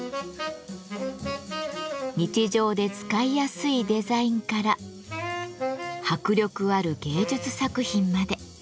日常で使いやすいデザインから迫力ある芸術作品まで。